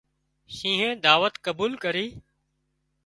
شينهنئي دعوت قبول ڪرِي